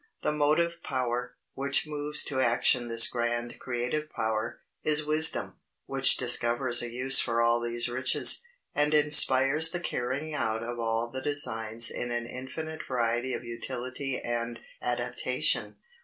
The motive power, which moves to action this grand creative power, is wisdom, which discovers a use for all these riches, and inspires the carrying out of all the designs in an infinite variety of utility and adaptation.